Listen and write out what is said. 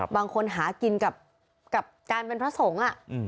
บางคนหากินกับการเป็นพระสงฆ์